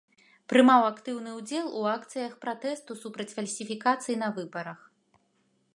Прымаў актыўны ўдзел у акцыях пратэсту супраць фальсіфікацый на выбарах.